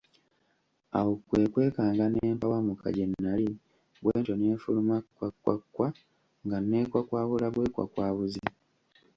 Awo kwe kwekanga ne mpawumuka gye nnali bwentyo ne nfuluma kkwakkwakkwa nga nneekwakwabula bwekwakwabuzi!